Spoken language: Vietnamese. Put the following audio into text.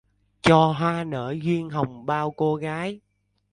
Cho hoa nở duyên hồng bao cô gái